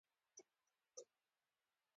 د مالګې استعمال اعتدال غواړي.